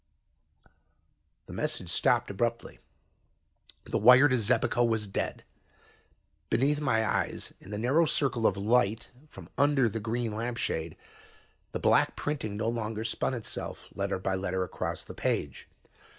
The message stopped abruptly. The wire to Xebico was dead. Beneath my eyes in the narrow circle of light from under the green lamp shade, the black printing no longer spun itself, letter by letter, across the page.